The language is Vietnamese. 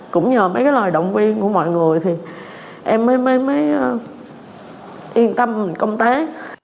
cũng nhờ mấy cái lời động viên của mọi người thì em mới mới yên tâm công tác